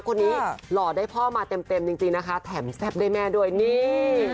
หล่อได้พ่อมาเต็มจริงนะคะแถมแซ่บได้แม่ด้วยนี่